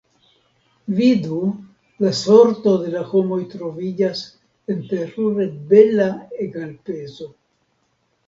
Vidu, la sorto de la homoj troviĝas en terure bela egalpezo.